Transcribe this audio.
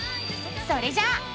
それじゃあ。